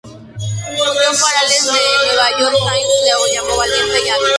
Jon Pareles de "The New York Times" lo llamó valiente y hábil.